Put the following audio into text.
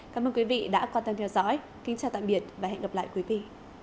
cảm ơn quý vị đã quan tâm theo dõi kính chào tạm biệt và hẹn gặp lại quý vị